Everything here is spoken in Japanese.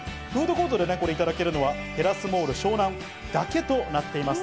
フードコートでいただけるのはテラスモール湘南だけとなっています。